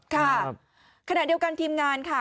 ค่ะขณะเดียวกันทีมงานค่ะ